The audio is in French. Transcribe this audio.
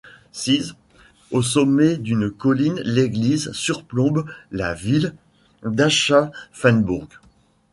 Sise au sommet d'une colline, l'église surplombe la ville d'Aschaffenbourg.